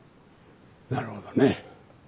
なるほどね。